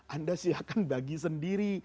anda silahkan bagi sendiri